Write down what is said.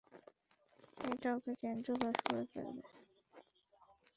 এটা ওকে জ্যান্ত গ্রাস করে ফেলবে।